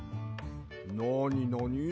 なになに？